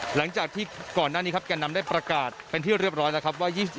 หลังจากที่ก่อนหน้านี้ครับแก่นำได้ประกาศเป็นที่เรียบร้อยแล้วครับว่า